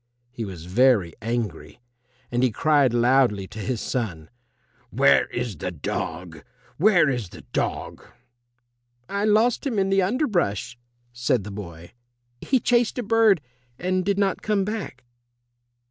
He was very angry, and he cried loudly to his son, "Where is the dog? Where is the dog?" "I lost him in the underbrush," said the boy; "he chased a bird and did not come back."